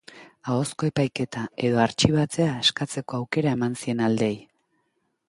Ahozko epaiketa edo artxibatzea eskatzeko aukera eman zien aldeei.